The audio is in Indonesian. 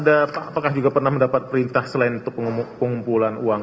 apakah juga pernah mendapat perintah selain itu pengumpulan uang